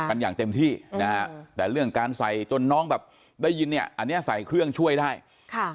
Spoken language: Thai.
กันอย่างเต็มที่นะฮะแต่เรื่องการใส่จนน้องแบบได้ยินเนี่ยอันเนี้ยใส่เครื่องช่วยได้ค่ะ